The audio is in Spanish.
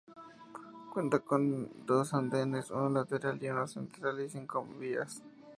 Cuenta con dos andenes, uno lateral y otro central y cinco vías.